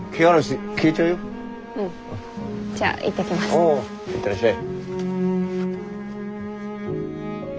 おう行ってらっしゃい。